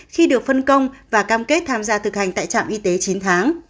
khi được phân công và cam kết tham gia thực hành tại trạm y tế chín tháng